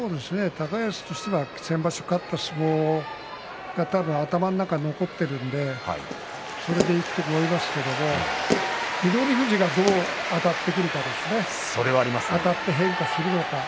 高安としては先場所勝った相撲が多分、頭の中に残っているのでそれでいくと思いますけれども翠富士がどうあたってくるかですね。